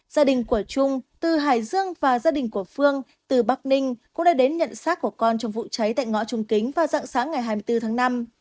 gia đình của trung từ hải dương và gia đình của phương từ bắc ninh cũng đã đến nhận xác của con trong vụ cháy tại ngõ trung kính vào dạng sáng ngày hai mươi bốn tháng năm